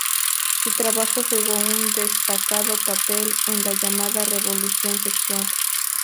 Su trabajo jugó un destacado papel en la llamada revolución sexual.